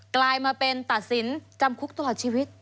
กลายมาเป็นตัดสินจำคุกตลอดชีวิต